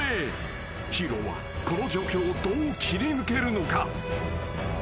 ［ヒーローはこの状況をどう切り抜けるのか？］